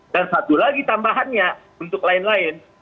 dan satu lagi tambahannya untuk lain lain